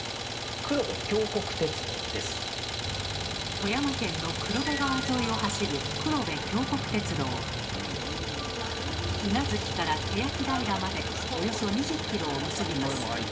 富山県の黒部川沿いを走る宇奈月から欅平までおよそ２０ｋｍを結びます。